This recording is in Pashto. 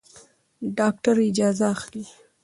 ډاکټر اجازه اخلي.